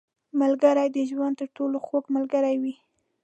• ملګری د ژوند تر ټولو خوږ ملګری وي.